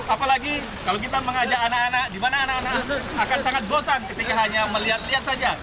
apalagi kalau kita mengajak anak anak di mana anak anak akan sangat bosan ketika hanya melihat lihat saja